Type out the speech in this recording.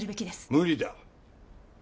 無理だ。